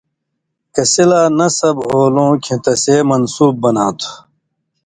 کسی لا نصب ہُون٘دوۡ کھیں تسے منصُوب بناں تھہ